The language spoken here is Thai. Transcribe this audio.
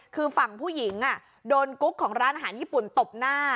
คือฝั่งผู้หญิงโดนกุ๊กของร้านอาหารญี่ปุ่นตบหน้า